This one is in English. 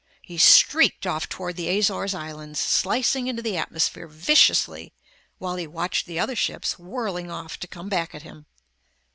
He streaked off toward the Azores Islands, slicing into the atmosphere viciously, while he watched the other ships whirling off to come back at him.